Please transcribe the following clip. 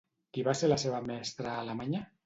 Qui va ser la seva mestra a Alemanya?